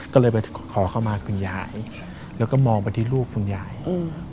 ก็เลยไปขอเข้ามาคุณยายแล้วก็มองไปที่ลูกคุณยายอืม